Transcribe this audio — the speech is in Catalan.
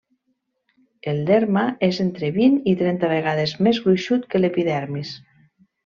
El derma és entre vint i trenta vegades més gruixut que l'epidermis.